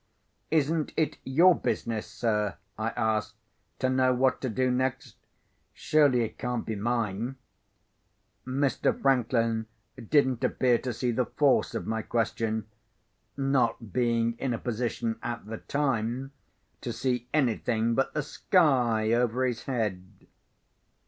"Isn't it your business, sir," I asked, "to know what to do next? Surely it can't be mine?" Mr. Franklin didn't appear to see the force of my question—not being in a position, at the time, to see anything but the sky over his head.